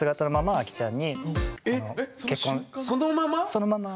そのまま？